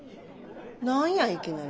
何やいきなり。